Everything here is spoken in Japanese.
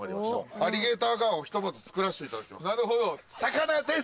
アリゲーターガーをひとまず作らせていただきます。